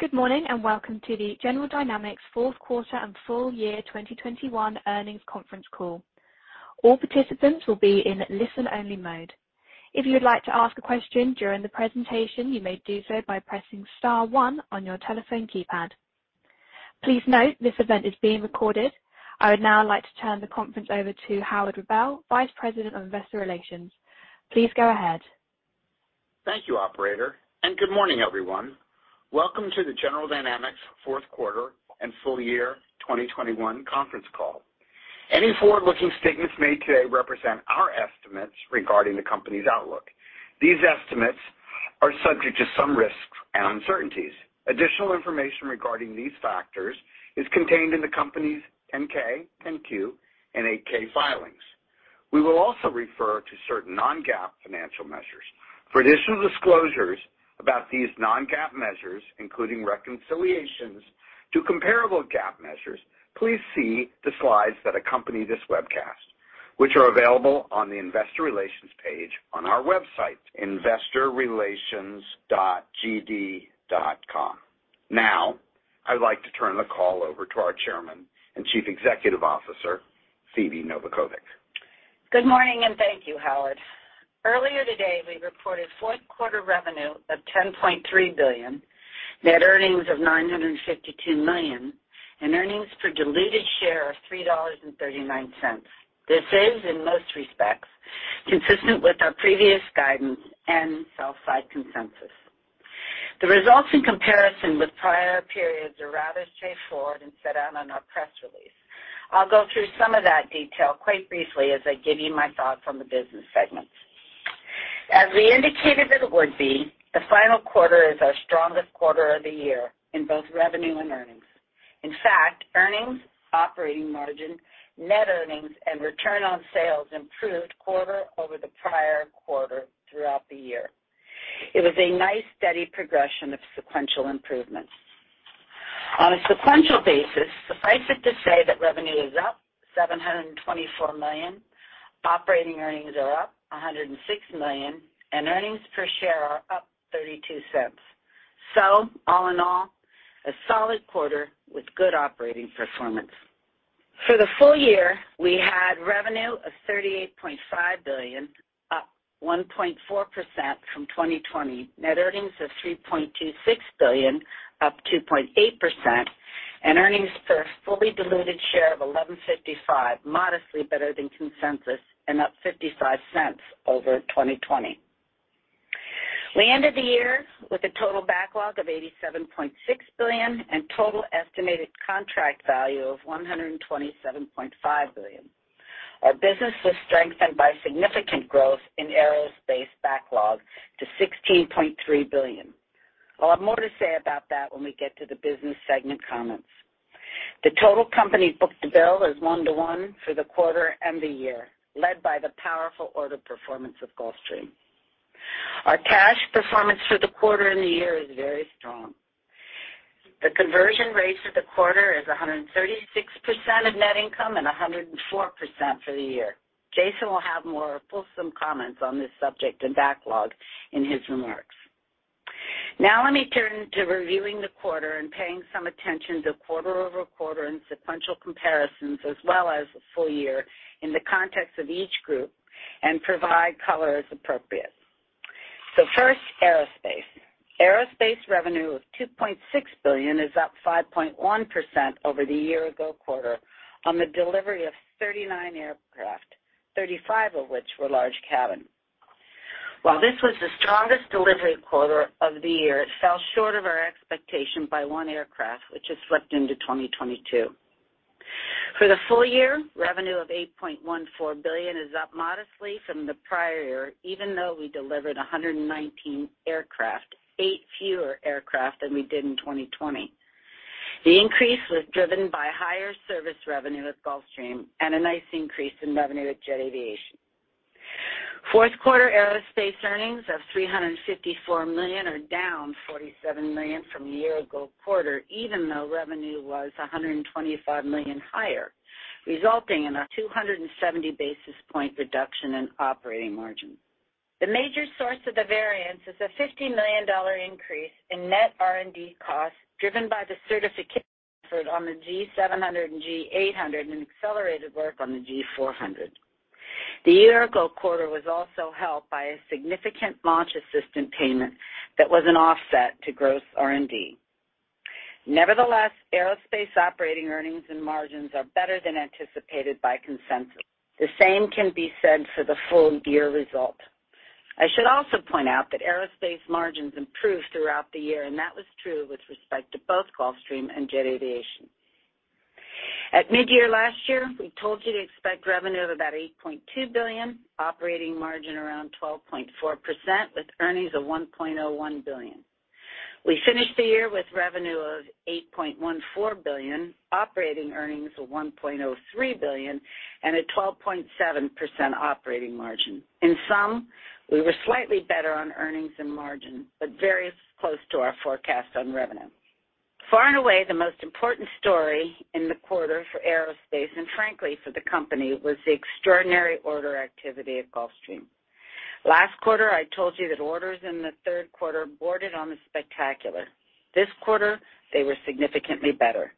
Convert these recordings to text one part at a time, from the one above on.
Good morning, and welcome to the General Dynamics fourth quarter and full year 2021 earnings conference call. All participants will be in listen-only mode. If you would like to ask a question during the presentation, you may do so by pressing star one on your telephone keypad. Please note this event is being recorded. I would now like to turn the conference over to Howard Rubel, Vice President of Investor Relations. Please go ahead. Thank you, operator, and good morning, everyone. Welcome to the General Dynamics fourth quarter and full year 2021 conference call. Any forward-looking statements made today represent our estimates regarding the company's outlook. These estimates are subject to some risks and uncertainties. Additional information regarding these factors is contained in the company's 10-K, 10-Q, and 8-K filings. We will also refer to certain non-GAAP financial measures. For additional disclosures about these non-GAAP measures, including reconciliations to comparable GAAP measures, please see the slides that accompany this webcast, which are available on the investor relations page on our website, investorrelations.gd.com. Now, I'd like to turn the call over to our Chairman and Chief Executive Officer, Phebe Novakovic. Good morning and thank you, Howard. Earlier today, we reported fourth quarter revenue of $10.3 billion, net earnings of $952 million, and earnings per diluted share of $3.39. This is, in most respects, consistent with our previous guidance and sell-side consensus. The results in comparison with prior periods are rather straightforward and set out on our press release. I'll go through some of that detail quite briefly as I give you my thoughts on the business segments. As we indicated it would be, the final quarter is our strongest quarter of the year in both revenue and earnings. In fact, earnings, operating margin, net earnings, and return on sales improved quarter-over-quarter throughout the year. It was a nice, steady progression of sequential improvements. On a sequential basis, suffice it to say that revenue is up $724 million, operating earnings are up $106 million, and earnings per share are up $0.32. All in all, a solid quarter with good operating performance. For the full year, we had revenue of $38.5 billion, up 1.4% from 2020. Net earnings of $3.26 billion, up 2.8%, and earnings per fully diluted share of $11.55, modestly better than consensus and up $0.55 over 2020. We ended the year with a total backlog of $87.6 billion and total estimated contract value of $127.5 billion. Our business was strengthened by significant growth in Aerospace backlog to $16.3 billion. I'll have more to say about that when we get to the business segment comments. The total company book-to-bill is 1-to-1 for the quarter and the year, led by the powerful order performance of Gulfstream. Our cash performance for the quarter and the year is very strong. The conversion rate for the quarter is 136% of net income and 104% for the year. Jason will have more fulsome comments on this subject and backlog in his remarks. Now let me turn to reviewing the quarter and paying some attention to quarter-over-quarter and sequential comparisons as well as the full year in the context of each group and provide color as appropriate. First, Aerospace. Aerospace revenue of $2.6 billion is up 5.1% over the year-ago quarter on the delivery of 39 aircraft, 35 of which were large cabin. While this was the strongest delivery quarter of the year, it fell short of our expectation by one aircraft, which has slipped into 2022. For the full year, revenue of $8.14 billion is up modestly from the prior year, even though we delivered 119 aircraft, eight fewer aircraft than we did in 2020. The increase was driven by higher service revenue at Gulfstream and a nice increase in revenue at Jet Aviation. Fourth quarter Aerospace earnings of $354 million are down $47 million from the year-ago quarter, even though revenue was $125 million higher, resulting in a 270 basis point reduction in operating margin. The major source of the variance is a $50 million increase in net R&D costs, driven by the certification effort on the G700 and G800 and accelerated work on the G400. The year-ago quarter was also helped by a significant launch assistance payment that was an offset to gross R&D. Nevertheless, Aerospace operating earnings and margins are better than anticipated by consensus. The same can be said for the full-year result. I should also point out that Aerospace margins improved throughout the year, and that was true with respect to both Gulfstream and Jet Aviation. At mid-year last year, we told you to expect revenue of about $8.2 billion, operating margin around 12.4% with earnings of $1.01 billion. We finished the year with revenue of $8.14 billion, operating earnings of $1.03 billion, and a 12.7% operating margin. In sum, we were slightly better on earnings and margin, but very close to our forecast on revenue. Far and away, the most important story in the quarter for Aerospace, and frankly for the company, was the extraordinary order activity at Gulfstream. Last quarter, I told you that orders in the third quarter bordered on the spectacular. This quarter, they were significantly better.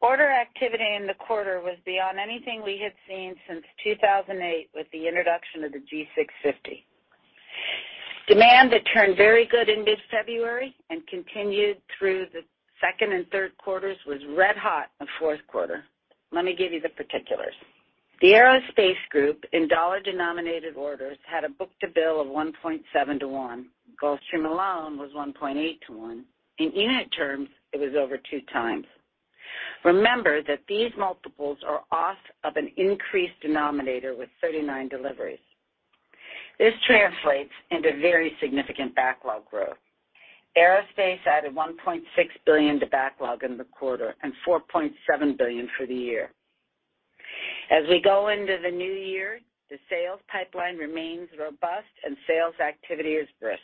Order activity in the quarter was beyond anything we had seen since 2008 with the introduction of the G650. Demand that turned very good in mid-February and continued through the second and third quarters was red-hot in fourth quarter. Let me give you the particulars. The Aerospace group, in dollar-denominated orders, had a book-to-bill of 1.7x. Gulfstream alone was 1.8x. In unit terms, it was over 2x. Remember that these multiples are off of an increased denominator with 39 deliveries. This translates into very significant backlog growth. Aerospace added $1.6 billion to backlog in the quarter and $4.7 billion for the year. As we go into the new year, the sales pipeline remains robust, and sales activity is brisk.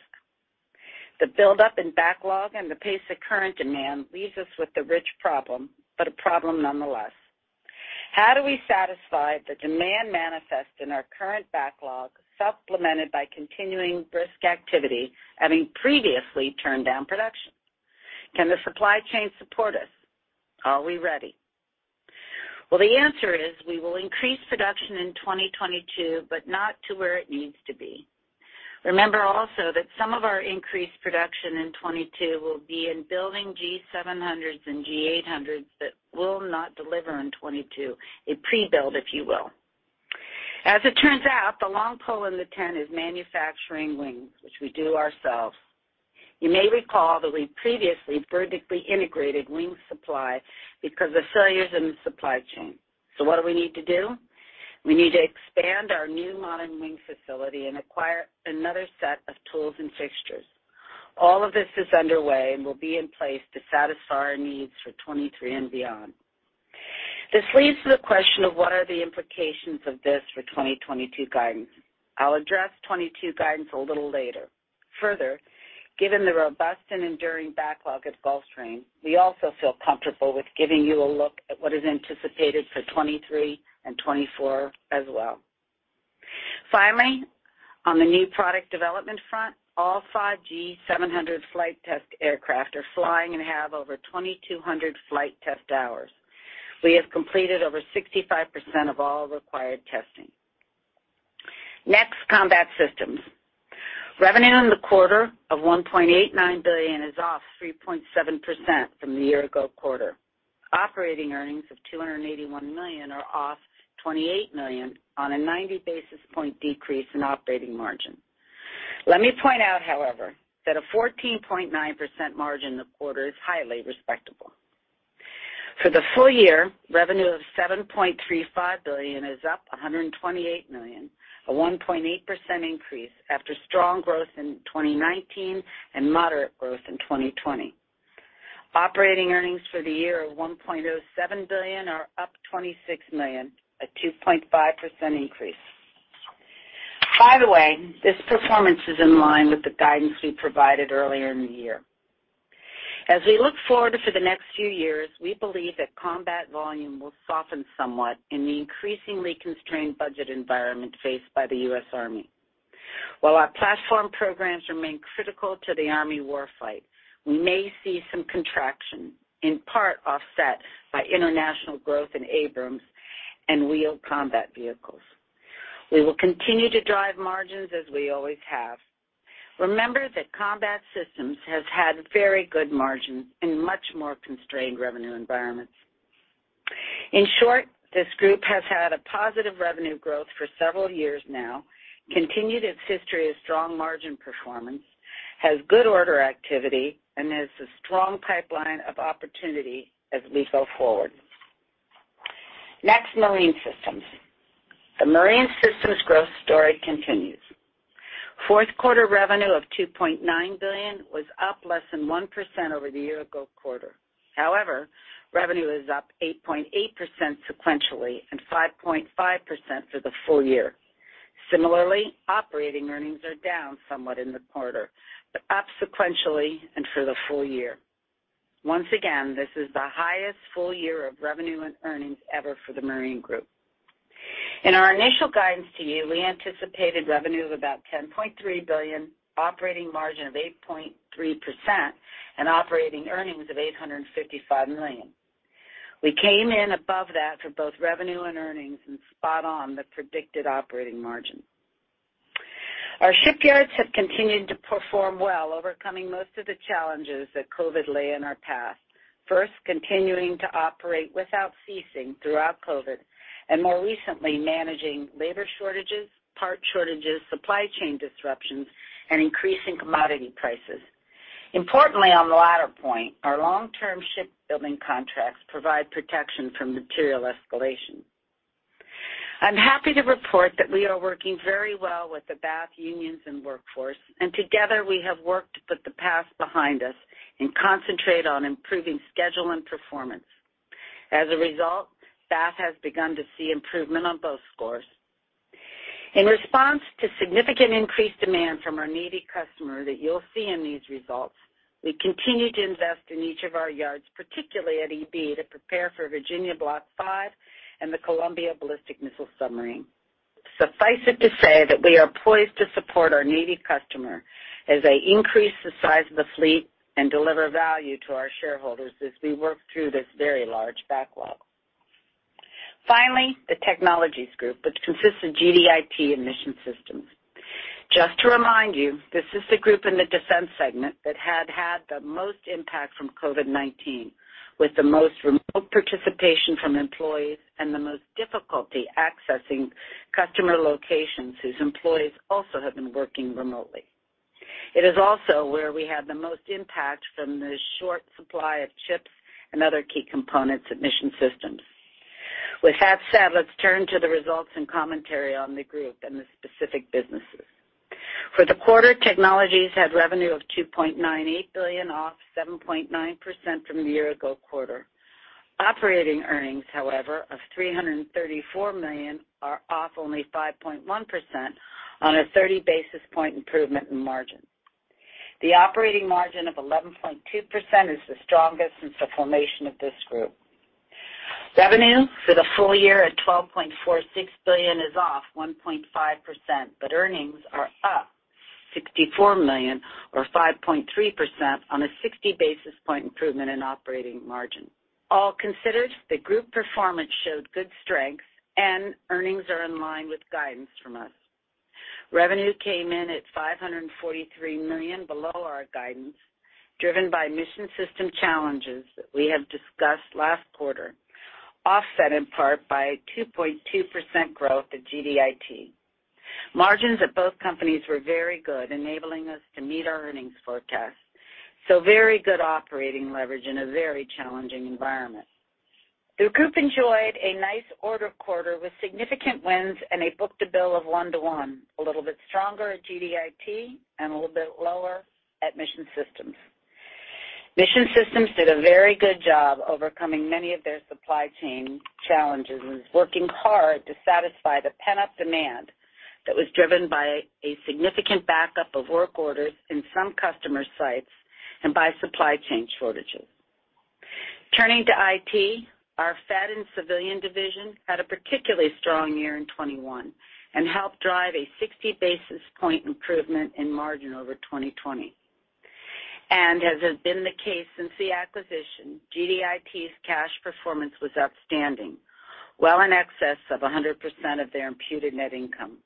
The buildup in backlog and the pace of current demand leaves us with a rich problem, but a problem nonetheless. How do we satisfy the demand manifest in our current backlog, supplemented by continuing brisk activity, having previously turned down production? Can the supply chain support us? Are we ready? Well, the answer is, we will increase production in 2022, but not to where it needs to be. Remember also that some of our increased production in 2022 will be in building G700s and G800s that will not deliver in 2022. A pre-build, if you will. As it turns out, the long pole in the tent is manufacturing wings, which we do ourselves. You may recall that we previously vertically integrated wing supply because of failures in the supply chain. What do we need to do? We need to expand our new modern wing facility and acquire another set of tools and fixtures. All of this is underway and will be in place to satisfy our needs for 2023 and beyond. This leads to the question of what are the implications of this for 2022 guidance. I'll address 2022 guidance a little later. Further, given the robust and enduring backlog at Gulfstream, we also feel comfortable with giving you a look at what is anticipated for 2023 and 2024 as well. Finally, on the new product development front, all five G700 flight test aircraft are flying and have over 2,200 flight test hours. We have completed over 65% of all required testing. Next, Combat Systems. Revenue in the quarter of $1.89 billion is off 3.7% from the year-ago quarter. Operating earnings of $281 million are off $28 million on a 90 basis point decrease in operating margin. Let me point out, however, that a 14.9% margin in the quarter is highly respectable. For the full year, revenue of $7.35 billion is up $128 million, a 1.8% increase after strong growth in 2019 and moderate growth in 2020. Operating earnings for the year of $1.07 billion are up $26 million, a 2.5% increase. By the way, this performance is in line with the guidance we provided earlier in the year. As we look forward to for the next few years, we believe that Combat volume will soften somewhat in the increasingly constrained budget environment faced by the U.S. Army. While our platform programs remain critical to the Army war fight, we may see some contraction, in part offset by international growth in Abrams and wheeled combat vehicles. We will continue to drive margins as we always have. Remember that Combat Systems has had very good margins in much more constrained revenue environments. In short, this group has had a positive revenue growth for several years now, continued its history of strong margin performance, has good order activity, and has a strong pipeline of opportunity as we go forward. Next, Marine Systems. The Marine Systems growth story continues. Fourth quarter revenue of $2.9 billion was up less than 1% over the year-ago quarter. However, revenue is up 8.8% sequentially and 5.5% for the full year. Similarly, operating earnings are down somewhat in the quarter, but up sequentially and for the full year. Once again, this is the highest full year of revenue and earnings ever for the Marine group. In our initial guidance to you, we anticipated revenue of about $10.3 billion, operating margin of 8.3%, and operating earnings of $855 million. We came in above that for both revenue and earnings and spot on the predicted operating margin. Our shipyards have continued to perform well, overcoming most of the challenges that COVID laid in our path. First, continuing to operate without ceasing throughout COVID, and more recently, managing labor shortages, part shortages, supply chain disruptions, and increasing commodity prices. Importantly, on the latter point, our long-term shipbuilding contracts provide protection from material escalation. I'm happy to report that we are working very well with the Bath unions and workforce, and together we have worked to put the past behind us and concentrate on improving schedule and performance. As a result, Bath has begun to see improvement on both scores. In response to significant increased demand from our Navy customer that you'll see in these results, we continue to invest in each of our yards, particularly at EB, to prepare for Virginia Block V and the Columbia ballistic missile submarine. Suffice it to say that we are poised to support our Navy customer as they increase the size of the fleet and deliver value to our shareholders as we work through this very large backlog. Finally, the Technologies group, which consists of GDIT and Mission Systems. Just to remind you, this is the group in the defense segment that had the most impact from COVID-19, with the most remote participation from employees and the most difficulty accessing customer locations, whose employees also have been working remotely. It is also where we had the most impact from the short supply of chips and other key components at Mission Systems. With that said, let's turn to the results and commentary on the group and the specific businesses. For the quarter, Technologies had revenue of $2.98 billion, off 7.9% from the year-ago quarter. Operating earnings, however, of $334 million, are off only 5.1% on a 30 basis point improvement in margin. The operating margin of 11.2% is the strongest since the formation of this group. Revenue for the full year at $12.46 billion is off 1.5%, but earnings are up $64 million or 5.3% on a 60 basis point improvement in operating margin. All considered, the group performance showed good strength and earnings are in line with guidance from us. Revenue came in at $543 million below our guidance, driven by Mission Systems challenges that we have discussed last quarter, offset in part by 2.2% growth at GDIT. Margins at both companies were very good, enabling us to meet our earnings forecast, so very good operating leverage in a very challenging environment. The group enjoyed a nice order quarter with significant wins, and they booked a book-to-bill of 1-to-1, a little bit stronger at GDIT and a little bit lower at Mission Systems. Mission Systems did a very good job overcoming many of their supply chain challenges and is working hard to satisfy the pent-up demand that was driven by a significant backup of work orders in some customer sites and by supply chain shortages. Turning to IT, our Fed and civilian division had a particularly strong year in 2021 and helped drive a 60 basis point improvement in margin over 2020. As has been the case since the acquisition, GDIT's cash performance was outstanding, well in excess of 100% of their imputed net income.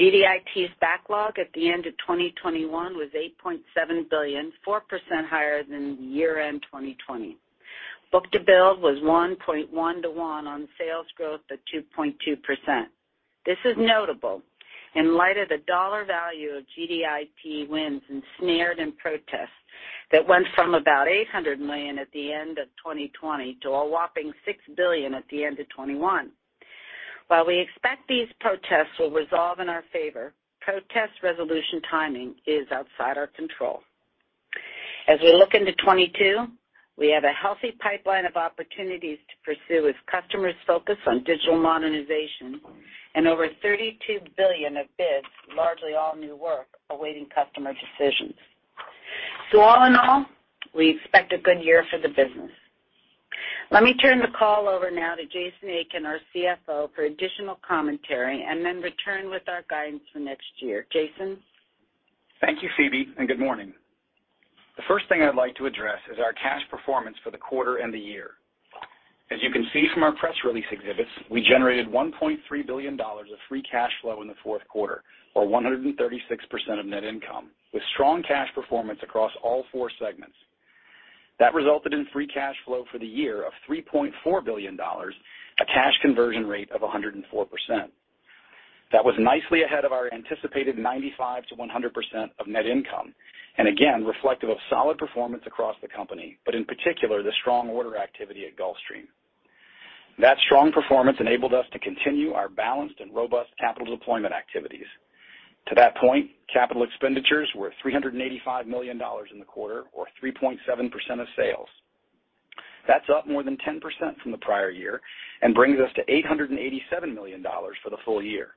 GDIT's backlog at the end of 2021 was $8.7 billion, 4% higher than year-end 2020. Book-to-bill was 1.1x on sales growth of 2.2%. This is notable in light of the dollar value of GDIT wins ensnared in protests that went from about $800 million at the end of 2020 to a whopping $6 billion at the end of 2021. While we expect these protests will resolve in our favor, protest resolution timing is outside our control. As we look into 2022, we have a healthy pipeline of opportunities to pursue as customers focus on digital modernization and over $32 billion of bids, largely all new work, awaiting customer decisions. All in all, we expect a good year for the business. Let me turn the call over now to Jason Aiken, our CFO, for additional commentary and then return with our guidance for next year. Jason? Thank you, Phebe, and good morning. The first thing I'd like to address is our cash performance for the quarter and the year. As you can see from our press release exhibits, we generated $1.3 billion of free cash flow in the fourth quarter, or 136% of net income, with strong cash performance across all four segments. That resulted in free cash flow for the year of $3.4 billion, a cash conversion rate of 104%. That was nicely ahead of our anticipated 95%-100% of net income, and again reflective of solid performance across the company, but in particular, the strong order activity at Gulfstream. That strong performance enabled us to continue our balanced and robust capital deployment activities. To that point, capital expenditures were $385 million in the quarter or 3.7% of sales. That's up more than 10% from the prior year and brings us to $887 million for the full year.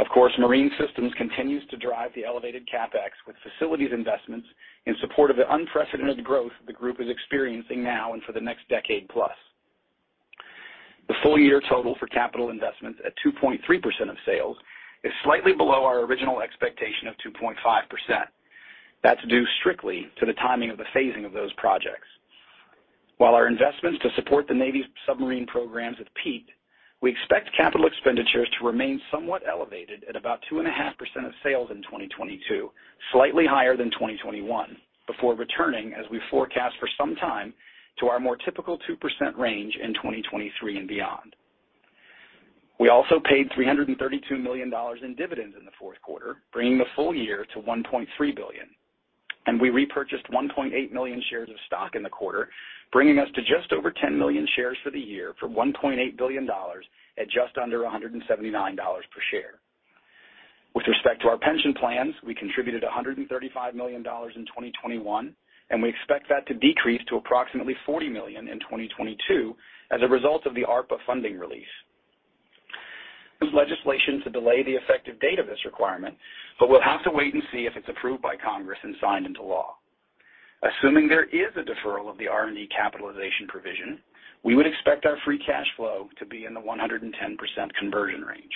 Of course, Marine Systems continues to drive the elevated CapEx with facilities investments in support of the unprecedented growth the group is experiencing now and for the next decade plus. The full year total for capital investments at 2.3% of sales is slightly below our original expectation of 2.5%. That's due strictly to the timing of the phasing of those projects. While our investments to support the Navy submarine programs have peaked, we expect capital expenditures to remain somewhat elevated at about 2.5% of sales in 2022, slightly higher than 2021, before returning, as we forecast for some time, to our more typical 2% range in 2023 and beyond. We also paid $332 million in dividends in the fourth quarter, bringing the full year to $1.3 billion. We repurchased 1.8 million shares of stock in the quarter, bringing us to just over 10 million shares for the year for $1.8 billion at just under $179 per share. As originally planned, we contributed $135 million in 2021, and we expect that to decrease to approximately $40 million in 2022 as a result of the ARPA funding release. Legislation to delay the effective date of this requirement, but we'll have to wait and see if it's approved by Congress and signed into law. Assuming there is a deferral of the R&D capitalization provision, we would expect our free cash flow to be in the 110% conversion range.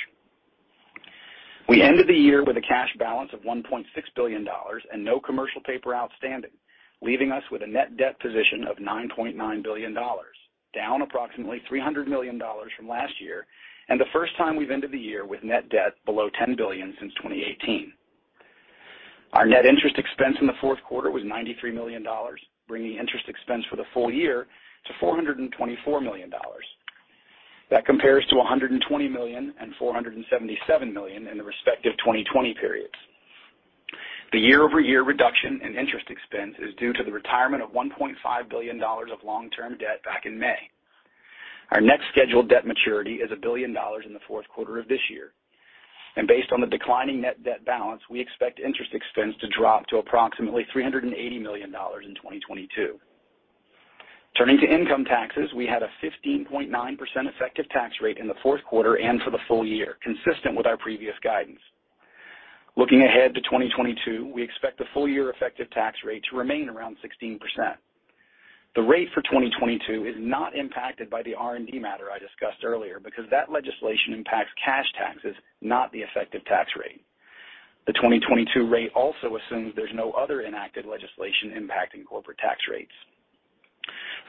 We ended the year with a cash balance of $1.6 billion and no commercial paper outstanding, leaving us with a net debt position of $9.9 billion, down approximately $300 million from last year, and the first time we've ended the year with net debt below $10 billion since 2018. Our net interest expense in the fourth quarter was $93 million, bringing interest expense for the full year to $424 million. That compares to $120 million and $477 million in the respective 2020 periods. The year-over-year reduction in interest expense is due to the retirement of $1.5 billion of long-term debt back in May. Our next scheduled debt maturity is $1 billion in the fourth quarter of this year. Based on the declining net debt balance, we expect interest expense to drop to approximately $380 million in 2022. Turning to income taxes, we had a 15.9% effective tax rate in the fourth quarter and for the full year, consistent with our previous guidance. Looking ahead to 2022, we expect the full-year effective tax rate to remain around 16%. The rate for 2022 is not impacted by the R&D matter I discussed earlier because that legislation impacts cash taxes, not the effective tax rate. The 2022 rate also assumes there's no other enacted legislation impacting corporate tax rates.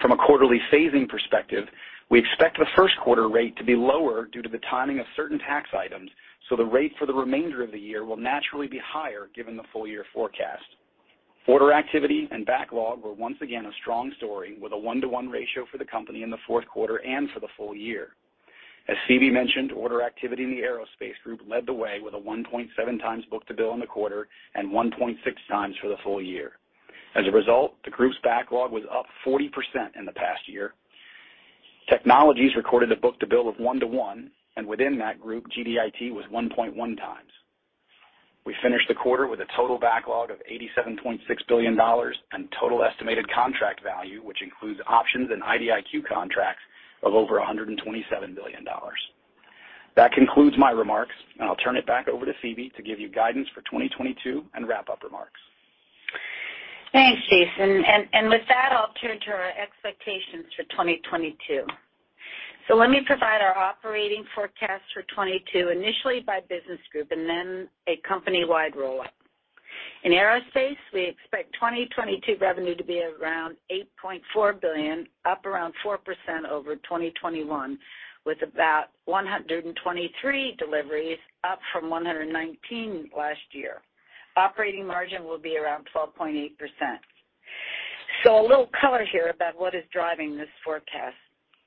From a quarterly phasing perspective, we expect the first quarter rate to be lower due to the timing of certain tax items, so the rate for the remainder of the year will naturally be higher given the full-year forecast. Order activity and backlog were once again a strong story with a 1-to-1 ratio for the company in the fourth quarter and for the full year. As Phebe mentioned, order activity in the Aerospace group led the way with a 1.7x book-to-bill in the quarter and 1.6x for the full year. As a result, the group's backlog was up 40% in the past year. Technologies recorded a book-to-bill of 1-to-1, and within that group, GDIT was 1.1x. We finished the quarter with a total backlog of $87.6 billion and total estimated contract value, which includes options and IDIQ contracts of over $127 billion. That concludes my remarks, and I'll turn it back over to Phebe to give you guidance for 2022 and wrap-up remarks. Thanks, Jason. With that, I'll turn to our expectations for 2022. Let me provide our operating forecast for 2022, initially by business group and then a company-wide roll-up. In Aerospace, we expect 2022 revenue to be around $8.4 billion, up around 4% over 2021, with about 123 deliveries, up from 119 last year. Operating margin will be around 12.8%. A little color here about what is driving this forecast.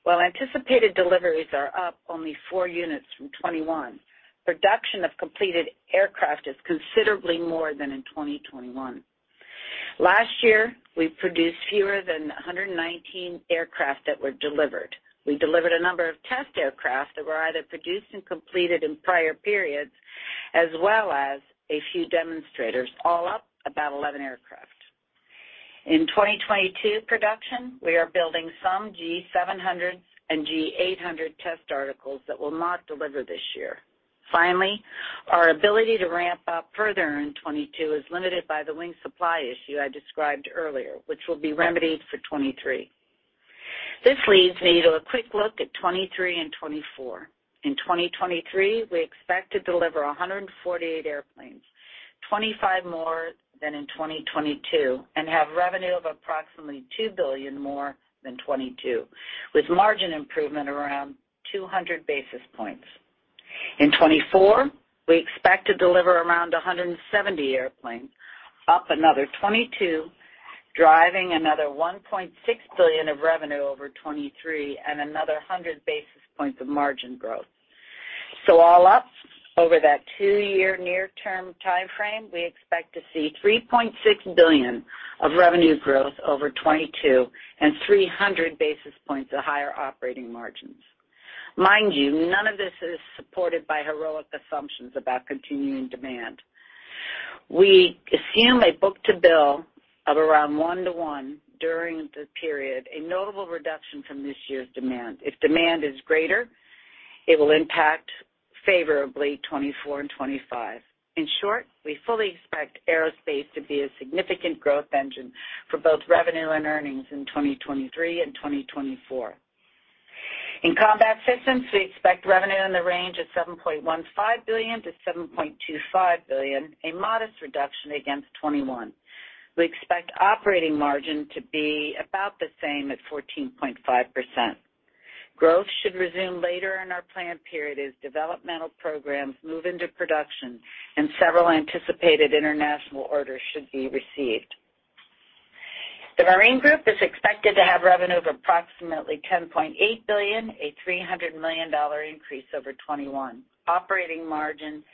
While anticipated deliveries are up only four units from 2021, production of completed aircraft is considerably more than in 2021. Last year, we produced fewer than 119 aircraft that were delivered. We delivered a number of test aircraft that were either produced and completed in prior periods, as well as a few demonstrators, all up about 11 aircraft. In 2022 production, we are building some G700 and G800 test articles that will not deliver this year. Finally, our ability to ramp up further in 2022 is limited by the wing supply issue I described earlier, which will be remedied for 2023. This leads me to a quick look at 2023 and 2024. In 2023, we expect to deliver 148 airplanes, 25 more than in 2022, and have revenue of approximately $2 billion more than 2022, with margin improvement around 200 basis points. In 2024, we expect to deliver around 170 airplanes, up another 22, driving another $1.6 billion of revenue over 2023 and another 100 basis points of margin growth. All up, over that two-year near-term time frame, we expect to see $3.6 billion of revenue growth over 2022 and 300 basis points of higher operating margins. Mind you, none of this is supported by heroic assumptions about continuing demand. We assume a book-to-bill of around 1-to-1 during the period, a notable reduction from this year's demand. If demand is greater, it will impact favorably 2024 and 2025. In short, we fully expect Aerospace to be a significant growth engine for both revenue and earnings in 2023 and 2024. In Combat Systems, we expect revenue in the range of $7.15 billion-$7.25 billion, a modest reduction against 2021. We expect operating margin to be about the same at 14.5%. Growth should resume later in our plan period as developmental programs move into production and several anticipated international orders should be received. The Marine Group is expected to have revenue of approximately $10.8 billion, a $300 million increase over 2021. Operating margin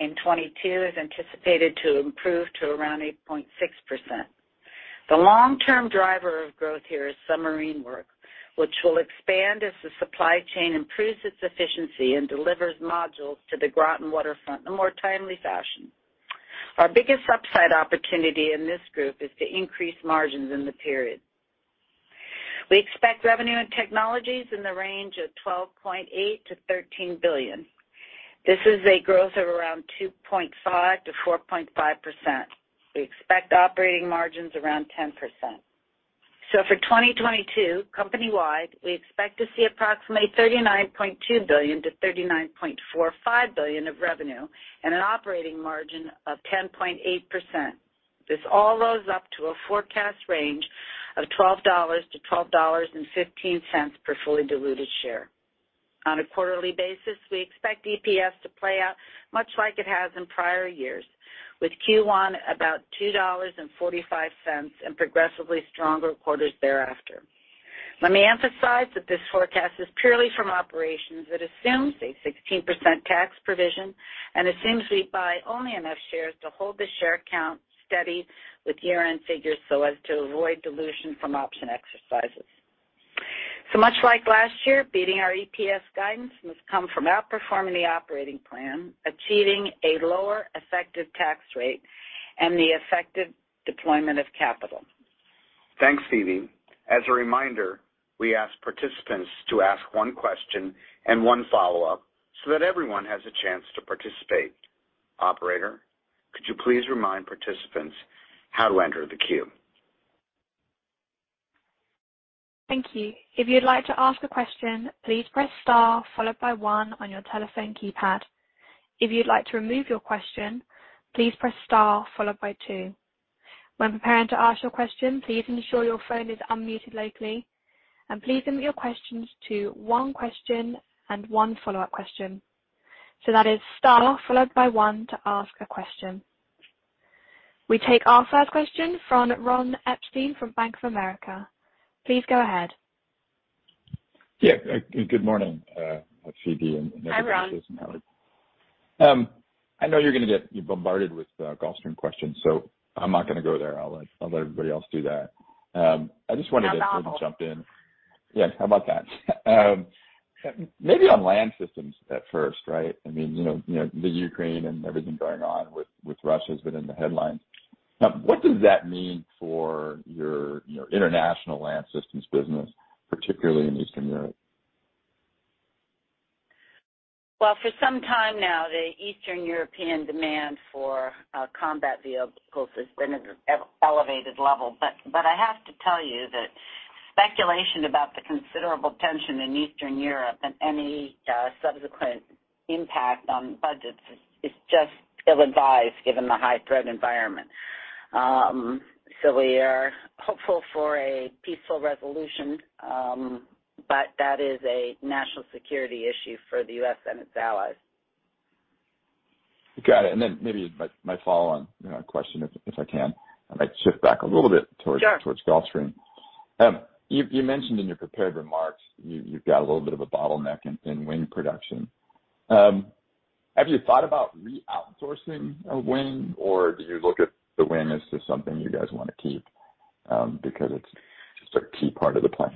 in 2022 is anticipated to improve to around 8.6%. The long-term driver of growth here is submarine work, which will expand as the supply chain improves its efficiency and delivers modules to the Groton waterfront in a more timely fashion. Our biggest upside opportunity in this group is to increase margins in the period. We expect revenues in Technologies in the range of $12.8 billion-$13 billion. This is a growth of around 2.5%-4.5%. We expect operating margins around 10%. For 2022, company-wide, we expect to see approximately $39.2 billion-$39.45 billion of revenue and an operating margin of 10.8%. This all adds up to a forecast range of $12-$12.15 per fully diluted share. On a quarterly basis, we expect EPS to play out much like it has in prior years, with Q1 about $2.45 and progressively stronger quarters thereafter. Let me emphasize that this forecast is purely from operations that assumes a 16% tax provision and assumes we buy only enough shares to hold the share count steady with year-end figures so as to avoid dilution from option exercises. Much like last year, beating our EPS guidance must come from outperforming the operating plan, achieving a lower effective tax rate, and the effective deployment of capital. Thanks, Phebe. As a reminder, we ask participants to ask one question and one follow-up so that everyone has a chance to participate. Operator, could you please remind participants how to enter the queue? Thank you. If you'd like to ask a question, please press star followed by one on your telephone keypad. If you'd like to remove your question, please press star followed by two. When preparing to ask your question, please ensure your phone is unmuted locally, and please limit your questions to one question and one follow-up question. So that is star followed by one to ask a question. We take our first question from Ron Epstein from Bank of America. Please go ahead. Yeah, good morning, Phebe and everyone. Hi, Ron. I know you're gonna get bombarded with Gulfstream questions, so I'm not gonna go there. I'll let everybody else do that. I just wanted to jump in. Yeah, how about that? Maybe on Land Systems at first, right? I mean, you know, the Ukraine and everything going on with Russia has been in the headlines. What does that mean for your international Land Systems business, particularly in Eastern Europe? Well, for some time now, the Eastern European demand for combat vehicles has been at an elevated level. I have to tell you that speculation about the considerable tension in Eastern Europe and any subsequent impact on budgets is just ill-advised given the high threat environment. We are hopeful for a peaceful resolution, but that is a national security issue for the U.S. and its allies. Got it. Maybe my follow-on question, if I can. I might shift back a little bit towards- Sure. At Gulfstream. You mentioned in your prepared remarks you've got a little bit of a bottleneck in wing production. Have you thought about re-outsourcing a wing, or do you look at the wing as just something you guys wanna keep, because it's just a key part of the plan?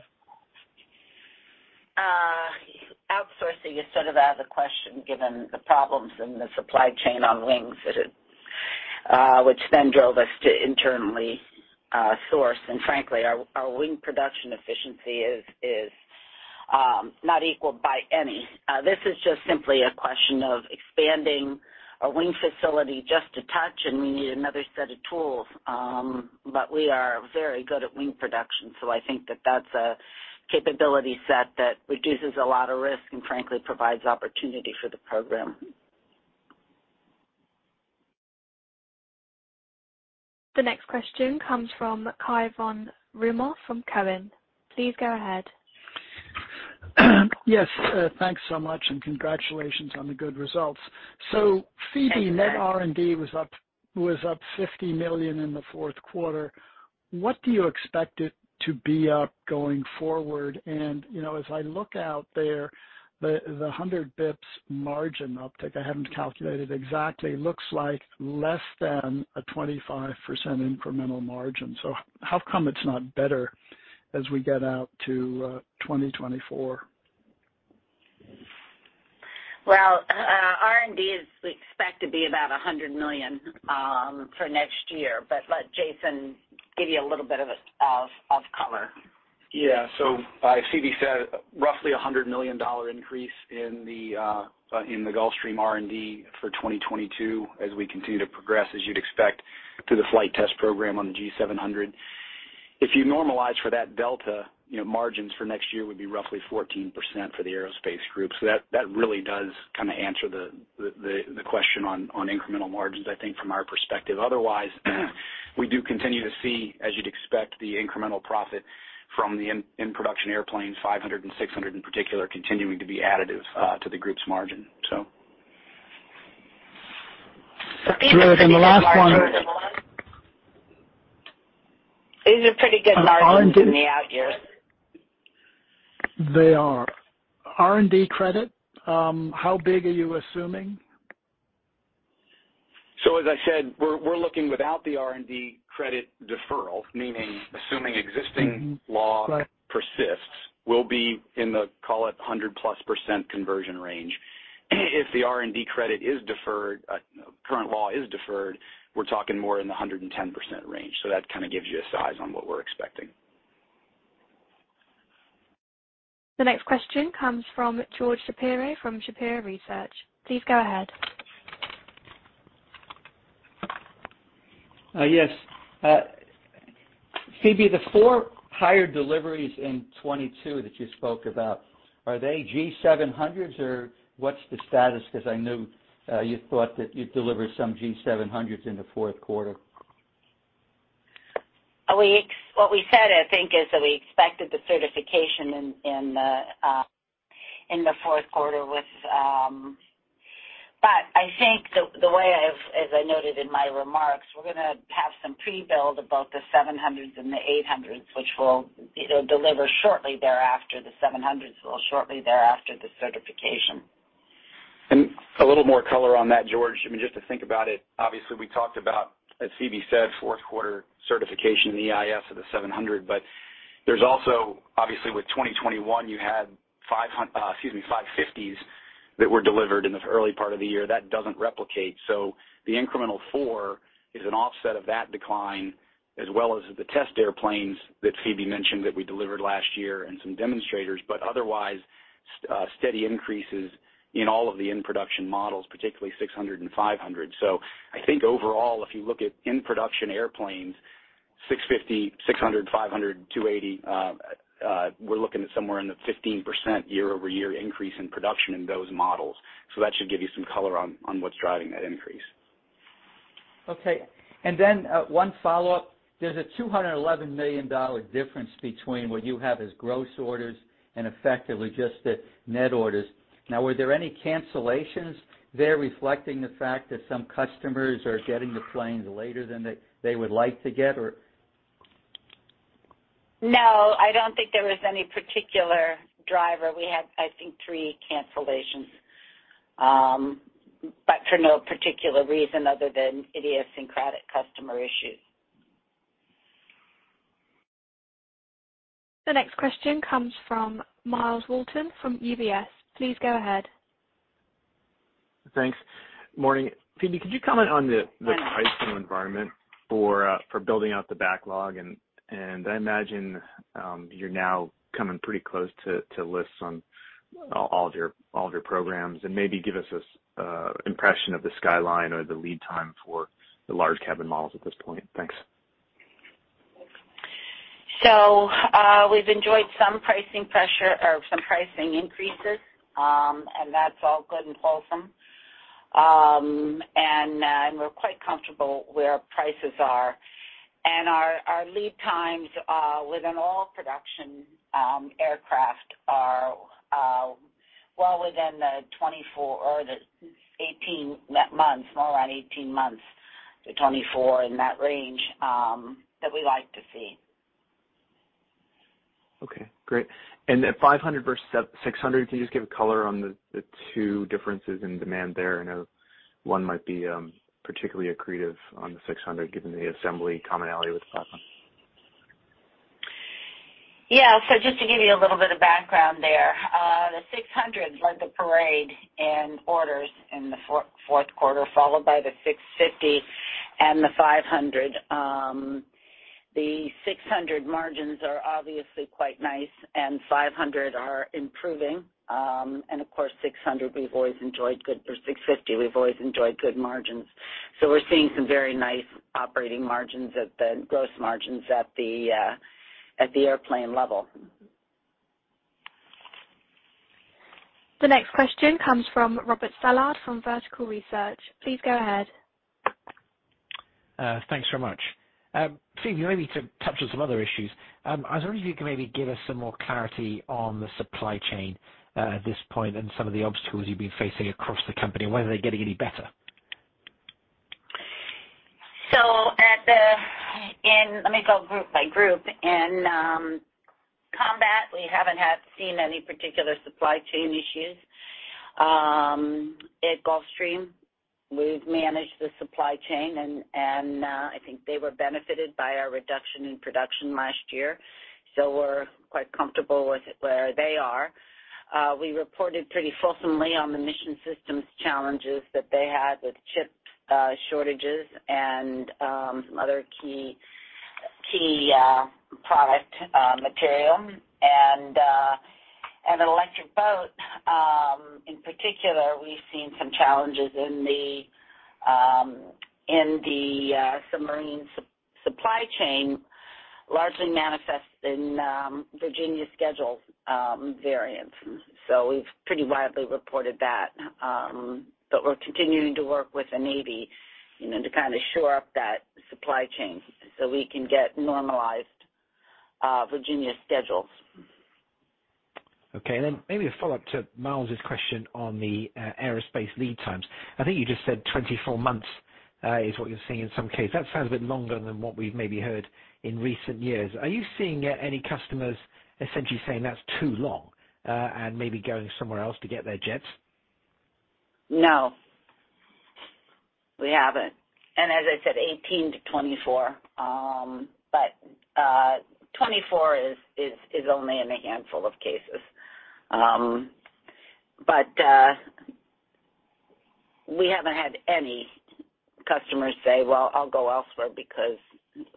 Outsourcing is sort of out of the question given the problems in the supply chain on wings which then drove us to internally source. Frankly, our wing production efficiency is not equaled by any. This is just simply a question of expanding a wing facility just a touch, and we need another set of tools. We are very good at wing production, so I think that that's a capability set that reduces a lot of risk and frankly provides opportunity for the program. The next question comes from Cai von Rumohr from Cowen. Please go ahead. Yes, thanks so much and congratulations on the good results. Thank you, Cai. Phebe, net R&D was up $50 million in the fourth quarter. What do you expect it to be up going forward? You know, as I look out there, the 100 basis points margin uptick, I haven't calculated exactly, looks like less than a 25% incremental margin. How come it's not better as we get out to 2024? Well, R&D is we expect to be about $100 million for next year. Let Jason give you a little bit of color. Yeah. As Phebe said, roughly $100 million increase in the Gulfstream R&D for 2022 as we continue to progress, as you'd expect, through the flight test program on the G700. If you normalize for that delta, you know, margins for next year would be roughly 14% for the Aerospace group. That really does kinda answer the question on incremental margins, I think, from our perspective. Otherwise, we do continue to see, as you'd expect, the incremental profit from the in-production airplanes, G500 and G600 in particular, continuing to be additive to the group's margin. These are pretty good margins. The last one. These are pretty good margins for me, actually. They are. R&D credit, how big are you assuming? As I said, we're looking without the R&D credit deferral, meaning assuming existing- Mm-hmm, right. If current law persists, we'll be in the call it 100%+ conversion range. If the R&D credit is deferred, we're talking more in the 110% range. That kind of gives you a size on what we're expecting. The next question comes from George Shapiro from Shapiro Research. Please go ahead. Phebe, the four higher deliveries in 2022 that you spoke about, are they G700s, or what's the status? Because I know, you thought that you'd deliver some G700s in the fourth quarter. What we said, I think, is that we expected the certification in the fourth quarter. I think the way I've, as I noted in my remarks, we're gonna have some pre-build of both the G700s and the G800s, which we'll, you know, deliver shortly thereafter the certification. A little more color on that, George. I mean, just to think about it, obviously, we talked about, as Phebe said, fourth quarter certification in the first of the 700, but there's also obviously with 2021 you had 550s that were delivered in the early part of the year. That doesn't replicate. The incremental four is an offset of that decline, as well as the test airplanes that Phebe mentioned that we delivered last year and some demonstrators. Otherwise, steady increases in all of the in-production models, particularly 600 and 500. I think overall, if you look at in-production airplanes, 650, 600, 500, 280, we're looking at somewhere in the 15% year-over-year increase in production in those models. that should give you some color on what's driving that increase. Okay. One follow-up. There's a $211 million difference between what you have as gross orders and effectively just the net orders. Now, were there any cancellations there reflecting the fact that some customers are getting the planes later than they would like to get, or? No, I don't think there was any particular driver. We had, I think, three cancellations. For no particular reason other than idiosyncratic customer issues. The next question comes from Myles Walton from UBS. Please go ahead. Thanks. Morning. Phebe, could you comment on the pricing environment for building out the backlog? I imagine you're now coming pretty close to lists on all of your programs, and maybe give us a impression of the skyline or the lead time for the large cabin models at this point. Thanks. We've enjoyed some pricing power or some pricing increases, and that's all good and wholesome. We're quite comfortable where prices are. Our lead times within all production aircraft are well within the 24 or the 18 months, around 18 months to 24 in that range that we like to see. Okay, great. At 500 versus 600, can you just give color on the two differences in demand there? I know one might be particularly accretive on the 600 given the assembly commonality with the platform. Yeah. Just to give you a little bit of background there, the G600 led the parade in orders in the fourth quarter, followed by the G650 and the G500. The G600 margins are obviously quite nice and G500 are improving. And of course, G600 we've always enjoyed good, or G650, we've always enjoyed good margins. We're seeing some very nice gross margins at the airplane level. The next question comes from Robert Stallard from Vertical Research. Please go ahead. Thanks very much. Phebe, maybe to touch on some other issues. I was wondering if you could maybe give us some more clarity on the supply chain at this point and some of the obstacles you've been facing across the company, and whether they're getting any better. Let me go group by group. In Combat, we haven't had seen any particular supply chain issues. At Gulfstream, we've managed the supply chain and I think they were benefited by our reduction in production last year. We're quite comfortable with where they are. We reported pretty fulsomely on the Mission Systems challenges that they had with chip shortages and some other key product material. In Electric Boat in particular, we've seen some challenges in the submarine supply chain, largely manifest in Virginia schedule variance. We've pretty widely reported that. We're continuing to work with the Navy, you know, to kind of shore up that supply chain so we can get normalized Virginia schedules. Maybe a follow-up to Myles's question on the Aerospace lead times. I think you just said 24 months. Is what you're seeing in some cases? That sounds a bit longer than what we've maybe heard in recent years. Are you seeing any customers essentially saying that's too long, and maybe going somewhere else to get their jets? No. We haven't. As I said, 18-24, but 24 is only in a handful of cases. But we haven't had any customers say, "Well, I'll go elsewhere because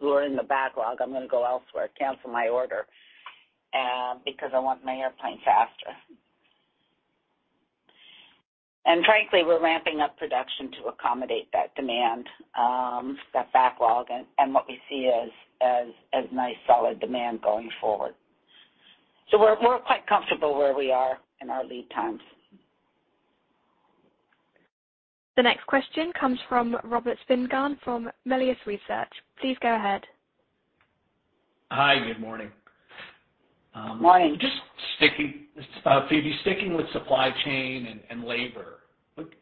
we're in the backlog. I'm gonna go elsewhere. Cancel my order, because I want my airplane faster." Frankly, we're ramping up production to accommodate that demand, that backlog and what we see as nice, solid demand going forward. We're quite comfortable where we are in our lead times. The next question comes from Robert Spingarn from Melius Research. Please go ahead. Hi, good morning. Morning. Phebe, sticking with supply chain and labor,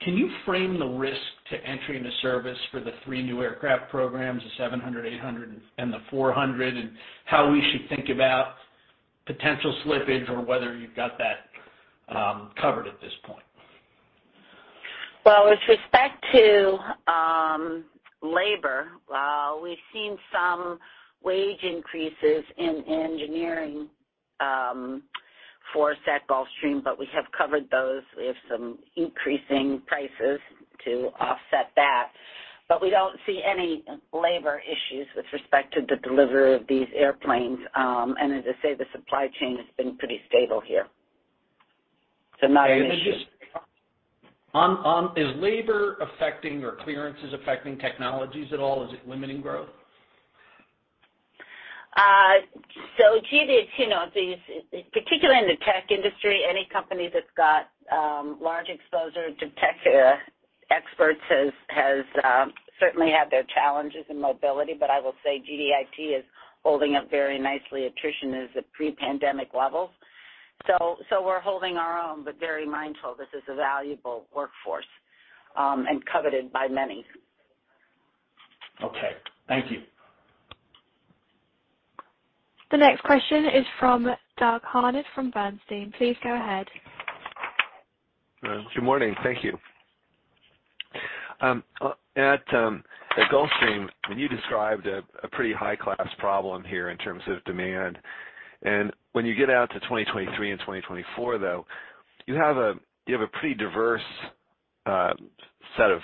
can you frame the risk to entry into service for the three new aircraft programs, the G700, G800, and the G400, and how we should think about potential slippage or whether you've got that covered at this point? Well, with respect to labor, we've seen some wage increases in engineering for at Gulfstream, but we have covered those. We have some increasing prices to offset that. We don't see any labor issues with respect to the delivery of these airplanes. As I say, the supply chain has been pretty stable here. It's a nice issue. Is labor or clearances affecting Technologies at all? Is it limiting growth? GDIT, particularly in the tech industry, any company that's got large exposure to tech experts has certainly had their challenges in mobility. But I will say GDIT is holding up very nicely. Attrition is at pre-pandemic levels. We're holding our own, but very mindful this is a valuable workforce and coveted by many. Okay. Thank you. The next question is from Doug Harned from Bernstein. Please go ahead. Good morning. Thank you. At Gulfstream, when you described a pretty high-class problem here in terms of demand, and when you get out to 2023 and 2024, though, you have a pretty diverse set of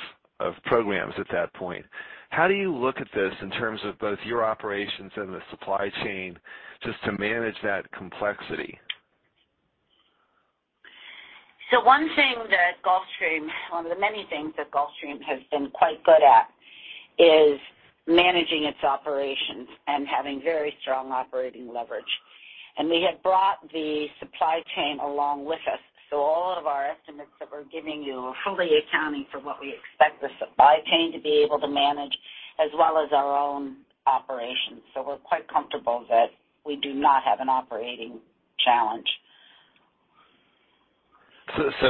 programs at that point. How do you look at this in terms of both your operations and the supply chain just to manage that complexity? One of the many things that Gulfstream has been quite good at is managing its operations and having very strong operating leverage. We have brought the supply chain along with us. All of our estimates that we're giving you are fully accounting for what we expect the supply chain to be able to manage as well as our own operations. We're quite comfortable that we do not have an operating challenge.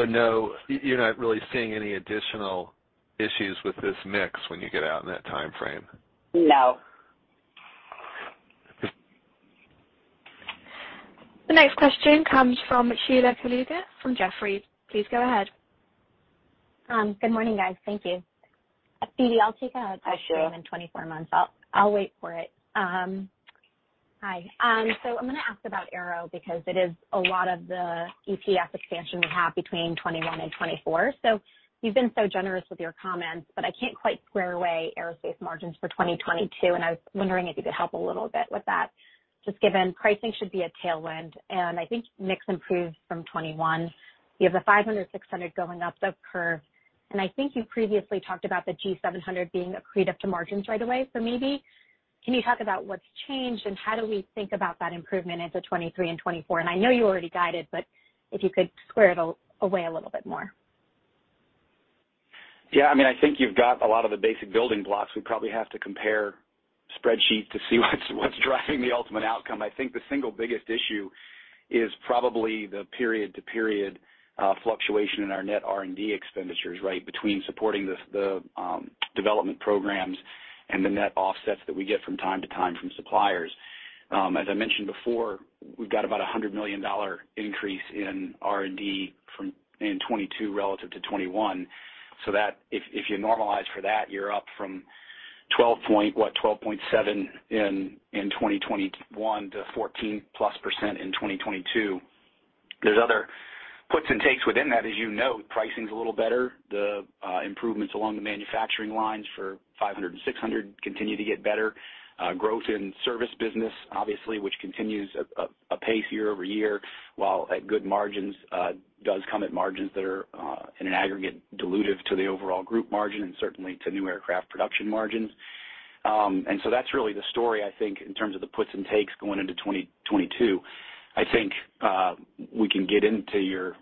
No, you're not really seeing any additional issues with this mix when you get out in that time frame? No. The next question comes from Sheila Kahyaoglu from Jefferies. Please go ahead. Good morning, guys. Thank you. Phebe, I'll take a Hi, Sheila. Twenty-four months. I'll wait for it. Hi. I'm gonna ask about Aero because it is a lot of the EPS expansion we have between 2021 and 2024. You've been so generous with your comments, but I can't quite square away Aerospace margins for 2022, and I was wondering if you could help a little bit with that. Just given pricing should be a tailwind, and I think mix improves from 2021. You have the G500, G600 going up the curve, and I think you previously talked about the G700 being accretive to margins right away. Maybe can you talk about what's changed and how do we think about that improvement into 2023 and 2024? I know you already guided, but if you could square it away a little bit more. Yeah. I mean, I think you've got a lot of the basic building blocks. We probably have to compare spreadsheets to see what's driving the ultimate outcome. I think the single biggest issue is probably the period-to-period fluctuation in our net R&D expenditures, right? Between supporting the development programs and the net offsets that we get from time to time from suppliers. As I mentioned before, we've got about a $100 million increase in R&D in 2022 relative to 2021. So that if you normalize for that, you're up from 12.7% in 2021 to 14%+ in 2022. There's other puts and takes within that. As you know, pricing's a little better. The improvements along the manufacturing lines for 500 and 600 continue to get better. Growth in service business, obviously, which continues a pace year over year, while at good margins, does come at margins that are, in an aggregate dilutive to the overall group margin and certainly to new aircraft production margins. That's really the story, I think, in terms of the puts and takes going into 2022. I think, we can get into your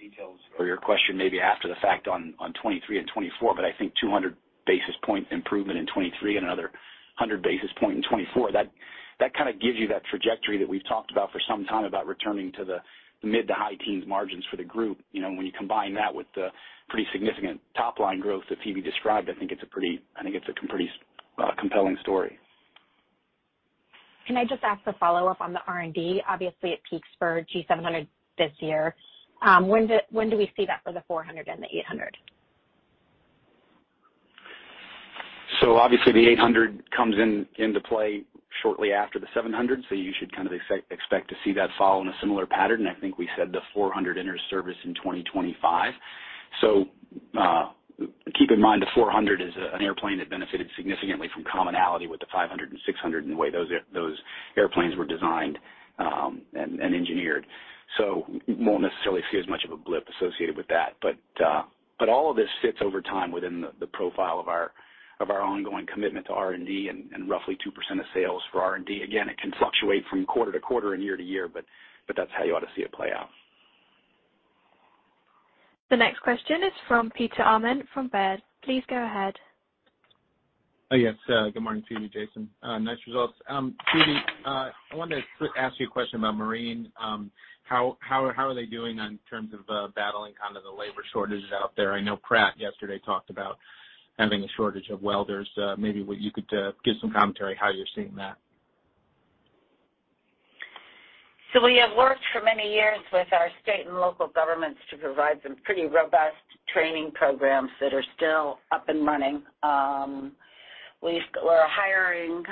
details or your question maybe after the fact on 2023 and 2024, but I think 200 basis points improvement in 2023 and another 100 basis points in 2024, that kind of gives you that trajectory that we've talked about for some time about returning to the mid-to-high teens margins for the group. You know, when you combine that with the pretty significant top-line growth that Phebe described, I think it's a pretty compelling story. Can I just ask a follow-up on the R&D? Obviously, it peaks for G700 this year. When do we see that for the G400 and the G800? Obviously the 800 comes into play shortly after the 700, so you should kind of expect to see that follow in a similar pattern. I think we said the 400 enters service in 2025. Keep in mind the 400 is an airplane that benefited significantly from commonality with the 500 and 600 in the way those airplanes were designed and engineered. You won't necessarily see as much of a blip associated with that. All of this fits over time within the profile of our ongoing commitment to R&D and roughly 2% of sales for R&D. Again, it can fluctuate from quarter to quarter and year to year, but that's how you ought to see it play out. The next question is from Peter Arment from Baird. Please go ahead. Oh, yes. Good morning, Phebe, Jason. Nice results. Phebe, I wanted to ask you a question about Marine. How are they doing in terms of battling kind of the labor shortages out there? I know Pratt yesterday talked about having a shortage of welders. Maybe what you could give some commentary how you're seeing that. We have worked for many years with our state and local governments to provide some pretty robust training programs that are still up and running. We're hiring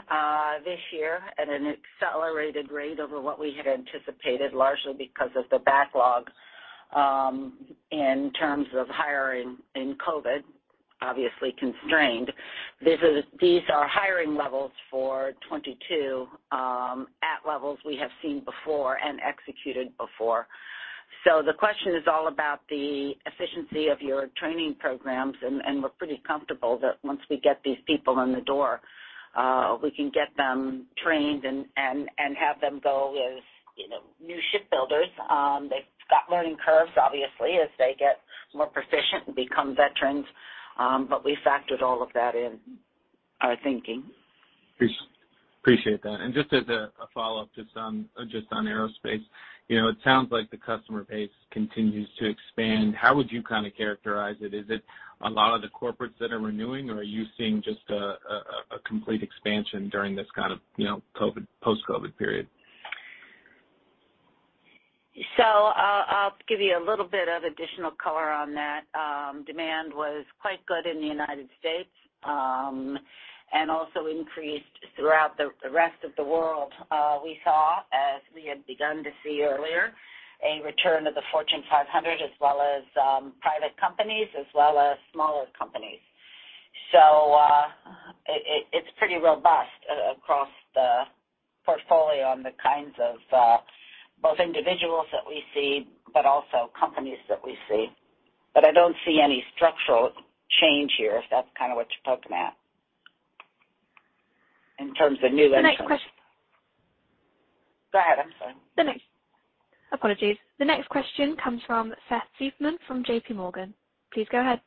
this year at an accelerated rate over what we had anticipated, largely because of the backlog in terms of hiring in COVID, obviously constrained. These are hiring levels for 2022 at levels we have seen before and executed before. The question is all about the efficiency of your training programs, and we're pretty comfortable that once we get these people in the door, we can get them trained and have them go as, you know, new ship builders. They've got learning curves, obviously, as they get more proficient and become veterans, but we factored all of that in our thinking. Appreciate that. Just as a follow-up just on Aerospace. You know, it sounds like the customer base continues to expand. How would you kind of characterize it? Is it a lot of the corporates that are renewing, or are you seeing just a complete expansion during this kind of, you know, COVID, post-COVID period? I'll give you a little bit of additional color on that. Demand was quite good in the United States and also increased throughout the rest of the world. We saw, as we had begun to see earlier, a return of the Fortune 500 as well as private companies as well as smaller companies. It's pretty robust across the portfolio on the kinds of both individuals that we see, but also companies that we see. I don't see any structural change here, if that's kind of what you're poking at. In terms of new entrants The next question. Go ahead, I'm sorry. The next question comes from Seth Seifman from JPMorgan. Please go ahead.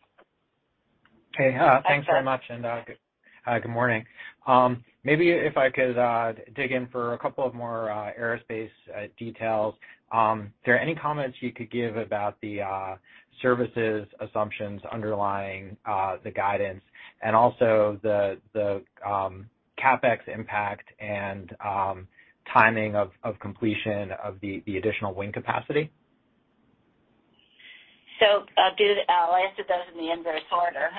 Hey, thanks very much, and good morning. Maybe if I could dig in for a couple of more Aerospace details. Are there any comments you could give about the services assumptions underlying the guidance and also the CapEx impact and timing of completion of the additional wing capacity? I'll answer those in the inverse order.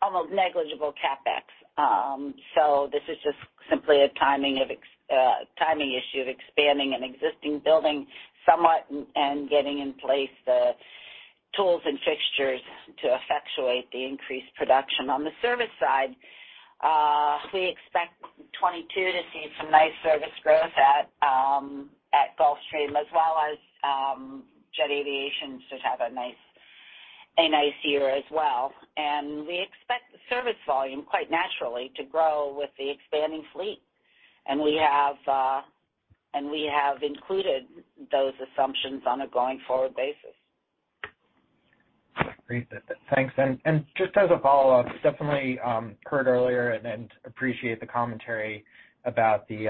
Almost negligible CapEx. This is just simply a timing issue of expanding an existing building somewhat and getting in place the tools and fixtures to effectuate the increased production. On the service side, we expect 2022 to see some nice service growth at Gulfstream as well as Jet Aviation should have a nice year as well. We expect the service volume quite naturally to grow with the expanding fleet. We have included those assumptions on a going-forward basis. Great. Thanks. Just as a follow-up, definitely heard earlier and appreciate the commentary about the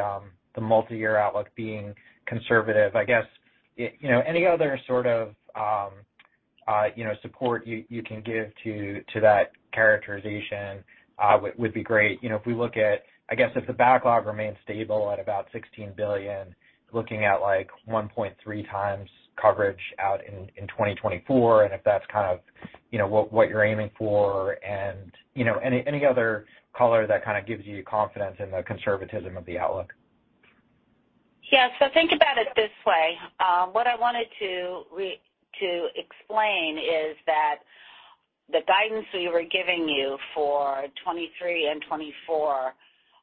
multi-year outlook being conservative. I guess you know any other sort of you know support you can give to that characterization would be great. You know, if we look at, I guess, if the backlog remains stable at about $16 billion, looking at like 1.3x coverage out in 2024, and if that's kind of you know what you're aiming for, and you know any other color that kind of gives you confidence in the conservatism of the outlook. Yeah. Think about it this way. What I wanted to explain is that the guidance we were giving you for 2023 and 2024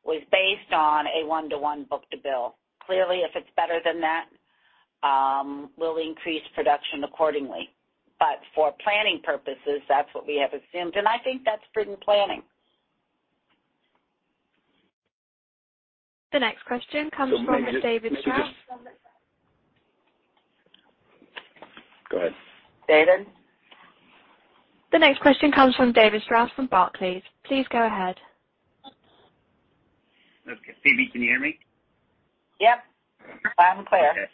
was based on a 1-to-1 book-to-bill. Clearly, if it's better than that, we'll increase production accordingly. For planning purposes, that's what we have assumed, and I think that's prudent planning. The next question comes from David Strauss. David? The next question comes from David Strauss from Barclays. Please go ahead. Okay. Phebe, can you hear me? Yep. Loud and clear. Okay.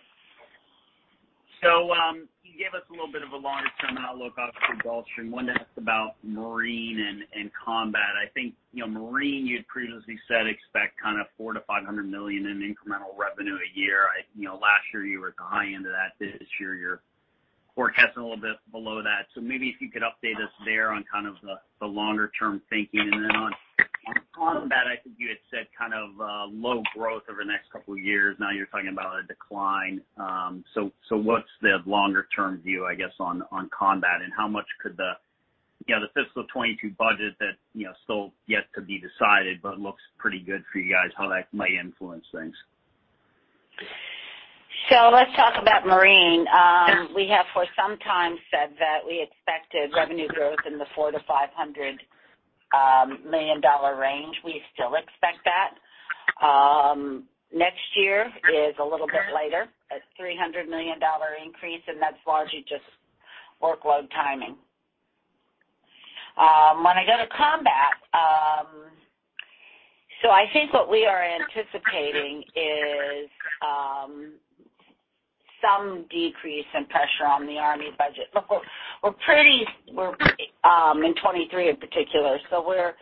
You gave us a little bit of a longer-term outlook on Gulfstream. Wanted to ask about Marine and Combat. I think, you know, Marine, you'd previously said expect kind of $400 million-$500 million in incremental revenue a year. You know, last year, you were at the high end of that. This year, you're forecasting a little bit below that. Maybe if you could update us there on kind of the longer-term thinking. Then on Combat, I think you had said kind of low growth over the next couple of years. Now, you're talking about a decline. What's the longer-term view, I guess, on Combat? How much could the, you know, the fiscal 2022 budget that, you know, still yet to be decided, but looks pretty good for you guys, how that might influence things? Let's talk about Marine. We have for some time said that we expected revenue growth in the $400 million-$500 million range. We still expect that. Next year is a little bit lighter at $300 million increase, and that's largely just workload timing. When I go to Combat, I think what we are anticipating is some decrease in pressure on the Army budget. Look, we're pretty in 2023 in particular, so we're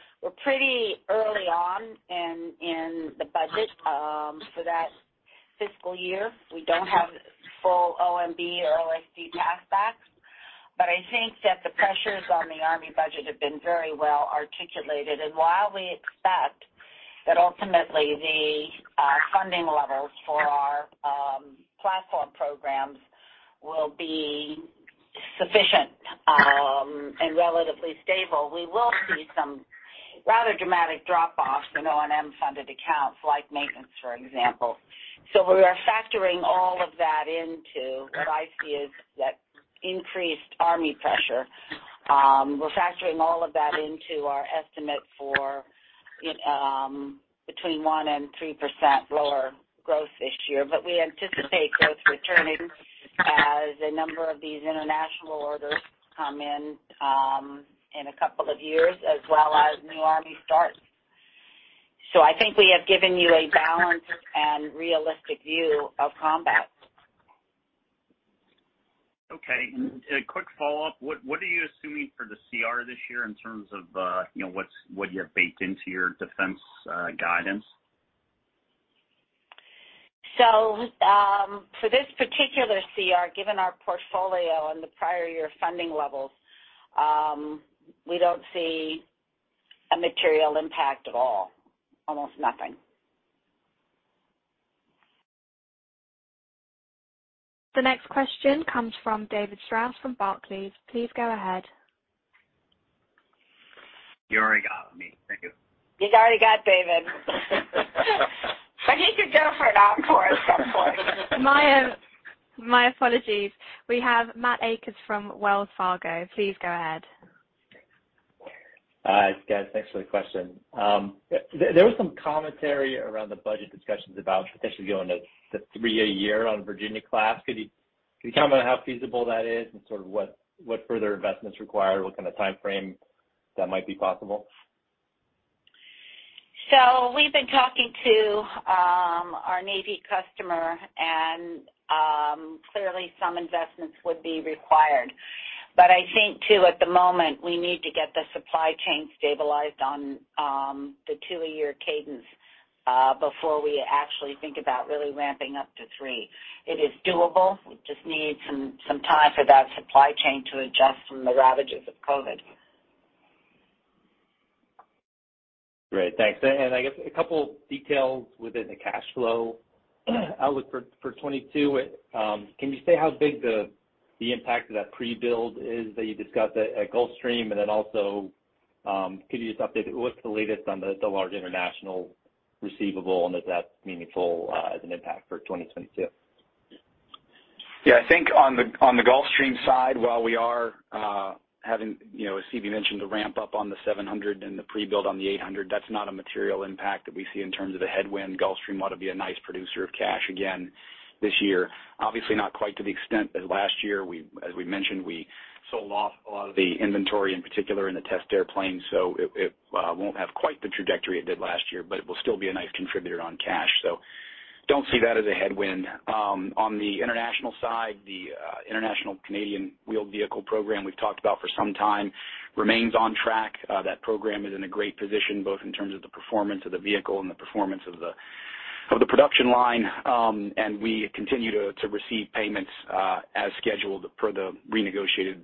pretty early on in the budget for that fiscal year. We don't have full OMB or OSD top lines. I think that the pressures on the Army budget have been very well articulated. While we expect that ultimately the funding levels for our platform programs will be sufficient and relatively stable, we will see some rather dramatic drop-offs in O&M funded accounts, flight maintenance, for example. We are factoring all of that into what I see is that increased Army pressure. We're factoring all of that into our estimate for between 1% and 3% lower growth this year. We anticipate growth returning as a number of these international orders come in in a couple of years, as well as new Army starts. I think we have given you a balanced and realistic view of Combat. Okay. A quick follow-up. What are you assuming for the CR this year in terms of, you know, what you have baked into your defense guidance? for this particular CR, given our portfolio and the prior year funding levels, we don't see a material impact at all, almost nothing. The next question comes from David Strauss from Barclays. Please go ahead. You already got me. Thank you. You already got David. He could go for an encore at some point. My apologies. We have Matt Akers from Wells Fargo. Please go ahead. Hi, guys. Thanks for the question. There was some commentary around the budget discussions about potentially going to three a year on Virginia class. Could you comment on how feasible that is and sort of what further investments required, what kind of timeframe that might be possible? We've been talking to our Navy customer, and clearly some investments would be required. I think, too, at the moment, we need to get the supply chain stabilized on the two-a-year cadence before we actually think about really ramping up to three. It is doable. We just need some time for that supply chain to adjust from the ravages of COVID. Great. Thanks. I guess a couple details within the cash flow outlook for 2022. Can you say how big the impact of that pre-build is that you discussed at Gulfstream? Then also, could you just update what's the latest on the large international receivable and if that's meaningful as an impact for 2022? Yeah, I think on the Gulfstream side, while we are having, you know, as Phebe mentioned, the ramp up on the G700 and the pre-build on the G800, that's not a material impact that we see in terms of the headwind. Gulfstream ought to be a nice producer of cash again this year. Obviously, not quite to the extent as last year. We, as we mentioned, we sold off a lot of the inventory, in particular in the test airplane, so it won't have quite the trajectory it did last year, but it will still be a nice contributor on cash. So don't see that as a headwind. On the international side, the international Canadian wheeled vehicle program we've talked about for some time remains on track. That program is in a great position, both in terms of the performance of the vehicle and the performance of the production line. We continue to receive payments as scheduled per the renegotiated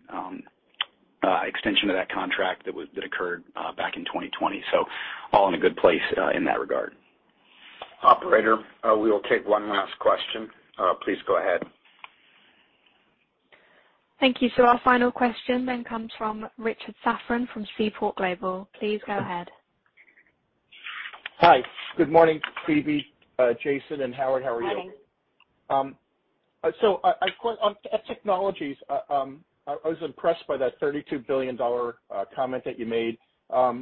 extension of that contract that occurred back in 2020. All in a good place in that regard. Operator, we will take one last question. Please go ahead. Thank you. Our final question then comes from Richard Safran from Seaport Global. Please go ahead. Hi. Good morning, Phebe, Jason, and Howard. How are you? Morning. I was impressed by that $32 billion comment that you made.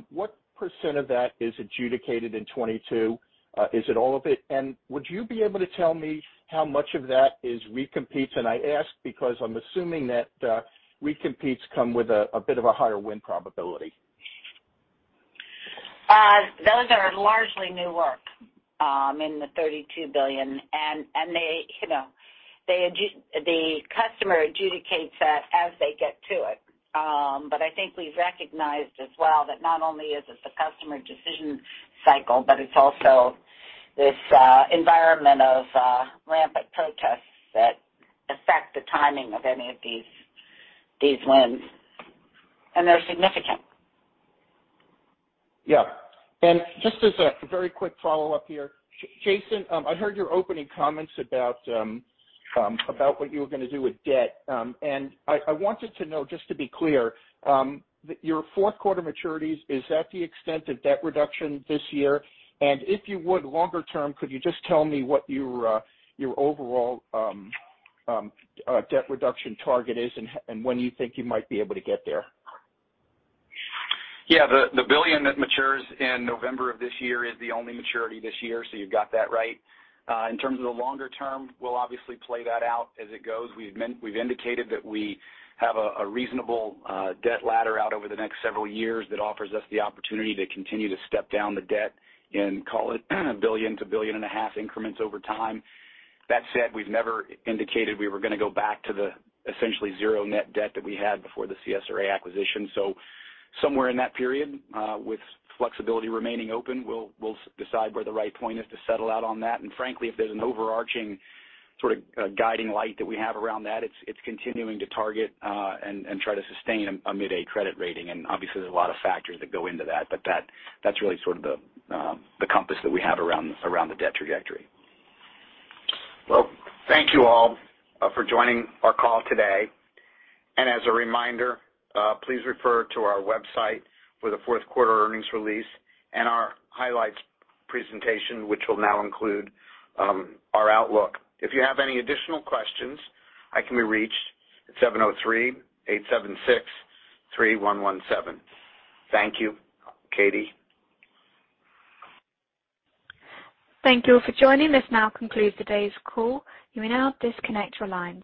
What percent of that is adjudicated in 2022? Is it all of it? Would you be able to tell me how much of that is recompetes? I ask because I'm assuming that recompetes come with a bit of a higher win probability. Those are largely new work in the $32 billion. They, you know, the customer adjudicates that as they get to it. But I think we've recognized as well that not only is it the customer decision cycle, but it's also this environment of rampant protests that affect the timing of any of these wins, and they're significant. Just as a very quick follow-up here. Jason, I heard your opening comments about what you were gonna do with debt. I wanted to know, just to be clear, that your fourth quarter maturities, is that the extent of debt reduction this year? If you would, longer term, could you just tell me what your overall debt reduction target is and when you think you might be able to get there? Yeah. The $1 billion that matures in November of this year is the only maturity this year, so you've got that right. In terms of the longer term, we'll obviously play that out as it goes. We've indicated that we have a reasonable debt ladder out over the next several years that offers us the opportunity to continue to step down the debt and call it $1 billion-$1.5 billion increments over time. That said, we've never indicated we were gonna go back to the essentially zero net debt that we had before the CSRA acquisition. Somewhere in that period, with flexibility remaining open, we'll decide where the right point is to settle out on that. Frankly, if there's an overarching sort of guiding light that we have around that, it's continuing to target and try to sustain a mid-A credit rating. Obviously, there's a lot of factors that go into that, but that's really sort of the compass that we have around the debt trajectory. Well, thank you all for joining our call today. As a reminder, please refer to our website for the fourth quarter earnings release and our highlights presentation, which will now include our outlook. If you have any additional questions, I can be reached at 703-876-3117. Thank you. Katie? Thank you all for joining. This now concludes today's call. You may now disconnect your lines.